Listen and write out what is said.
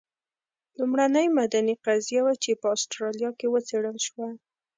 لومړنۍ مدني قضیه وه چې په اسټرالیا کې وڅېړل شوه.